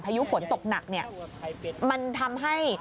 มันทำให้มีต้นไม้โค้นลม